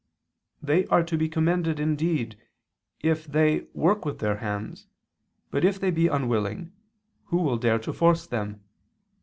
They are to be commended indeed if they work with their hands, but if they be unwilling, who will dare to force them?